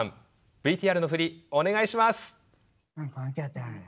ＶＴＲの振りお願いします。